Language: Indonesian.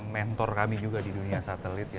mentor kami juga di dunia satelit ya